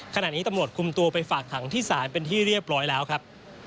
ขณะนี้ตำรวจคุมตัวไปฝากขังที่ศาลเป็นที่เรียบร้อยแล้วครับ